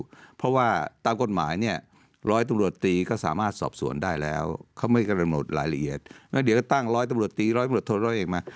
เดี๋ยวก็ตั้งร้อยตรวจตีร้อยตรวจทดร้อยอีกมา